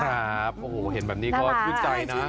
ครับโอ้โหเห็นแบบนี้ก็ชื่นใจนะ